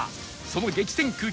その激戦区